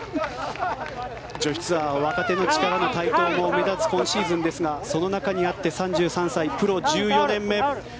女子ツアーは若手の力の台頭も目立つ今シーズンですがその中にあって３３歳プロ１４年目。